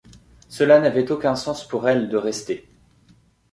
Cela n’avait aucun sens pour elle de rester.